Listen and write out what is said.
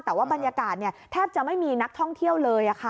แต่ว่าบรรยากาศแทบจะไม่มีนักท่องเที่ยวเลย